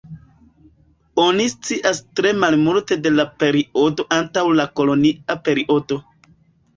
Oni scias tre malmulte de la periodo antaŭ la kolonia periodo.